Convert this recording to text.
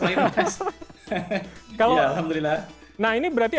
kalau alhamdulillah nah ini berarti